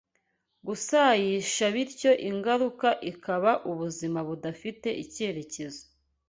gusayisha bityo ingaruka ikaba ubuzima budafite icyerekezo